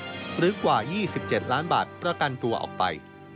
หรือกว่า๒๗ล้านบาทประกันตัวออกไป